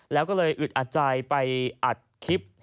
แล้วก็เลยอึดอัดใจไปอัดคลิป